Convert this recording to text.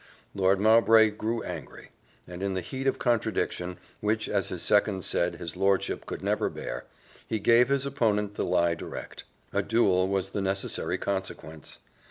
Lord Mowbray grew angry; and in the heat of contradiction, which, as his second said, his lordship could never bear, he gave his opponent the lie direct. A duel was the necessary consequence.